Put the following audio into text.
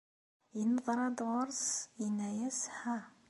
Yenneḍran-d ɣer-s, yenna-as Ha!.